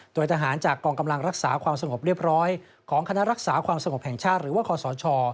โดยทหารจากกองกำลังรักษาความสงบเรียบร้อยของคณะรักษาความสงบแห่งชาติหรือว่าคอสช